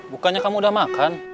bukannya kamu udah makan